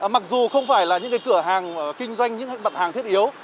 mặc dù không phải là những cửa hàng kinh doanh những mặt hàng thiết yếu